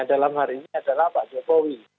dalam hari ini adalah pak jokowi